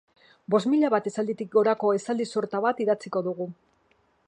Bost mila bat esalditik gorako esaldi sorta bat idatziko dugu.